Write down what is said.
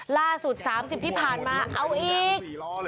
ล่าสุด๓๐ที่ผ่านมาเอาอีก